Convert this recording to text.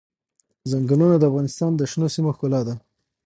ځنګلونه د افغانستان د شنو سیمو ښکلا ده.